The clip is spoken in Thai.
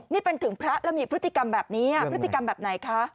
นี่เป็นถึงพระแล้วมีพฤติกรรมแบบนี้พฤติกรรมแบบไหนคะ